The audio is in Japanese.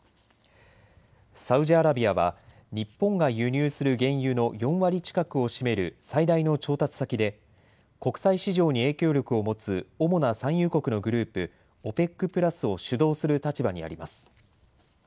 サウジアラビアは日本が輸入する原油の４割近くを占める最大の調達先で国際市場に影響力を持つ主な産油国のグループ、ＯＰＥＣプラスを主導する立場にあります。